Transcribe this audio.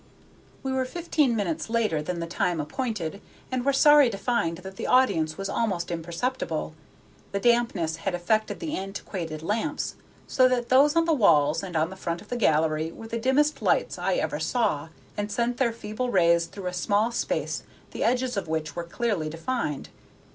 We were fifteen minutes later than the time appointed, and were sorry to find that the audience was almost imperceptible. The dampness had affected the antiquated lamps so that those on the walls and on the front of the gallery were the dimmest lights I ever saw, and sent their feeble rays through a small space the edges of which were clearly defined.